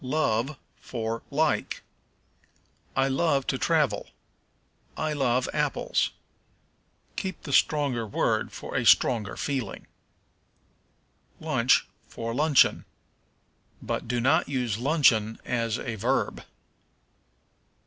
Love for Like. "I love to travel." "I love apples." Keep the stronger word for a stronger feeling. Lunch for Luncheon. But do not use luncheon as a verb.